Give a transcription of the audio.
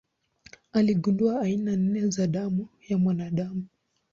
Aligundua aina nne za damu ya mwanadamu.